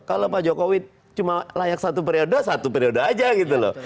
kalau pak jokowi cuma layak satu periode satu periode aja gitu loh